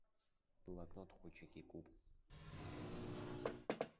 Блокнот хәыҷык икуп.